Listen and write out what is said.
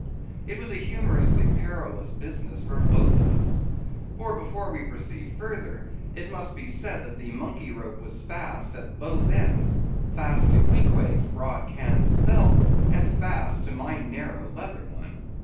It was a humorously perilous business for both of us. For, before we proceed further, it must be said that the monkey rope was fast at both ends; fast to Queequeg's broad canvas belt, and fast to my narrow leather one.